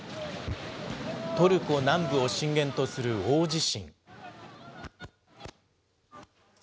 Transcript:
トルコ南部を震源とする大地震。